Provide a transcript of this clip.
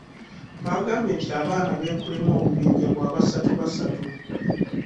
Twagambye nti abaana beekolamu obubinja bwa basatu basatu.